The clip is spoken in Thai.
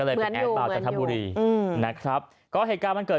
เวลาให้เดีใจ